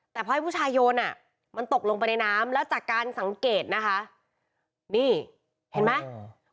แต่พอให้ผู้ชายโยนอ่ะมันตกลงไปในน้ำแล้วจากการสังเกตนะคะนี่เห็นไหมอืม